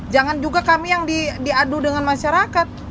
jangan juga kami yang diadu dengan masyarakat